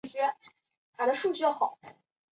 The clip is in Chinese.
颜伯玮人。